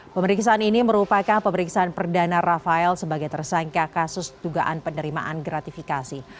pemeriksaan ini merupakan pemeriksaan perdana rafael sebagai tersangka kasus dugaan penerimaan gratifikasi